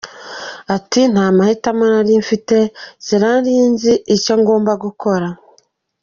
Ati :« Nta mahitamo nari mfite, sinari nzi icyo ngomba gukora.